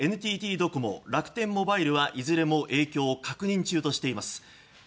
ＮＴＴドコモ、楽天モバイルはいずれも影響を確認中としています。